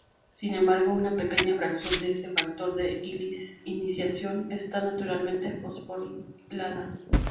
Sin embargo, una pequeña fracción de este factor de iniciación está naturalmente fosforilada.